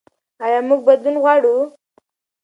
ایا موږ بدلون غواړو؟